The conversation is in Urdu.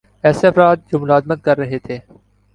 ایسے افراد جو ملازمت کررہے تھے